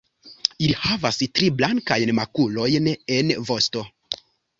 Ili havas tri blankajn makulojn en vosto.